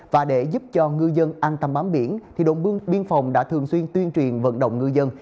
và để giúp cho ngư dân an tâm bám biển đồn biên phòng đã thường xuyên tuyên truyền vận động ngư dân